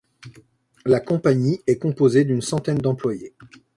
La compagnie est composée d’une centaine d’employés.